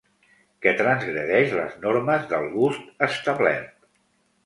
Que transgredeix les normes del gust establert.